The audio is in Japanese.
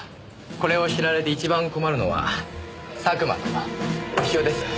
これを知られて一番困るのは佐久間と潮です。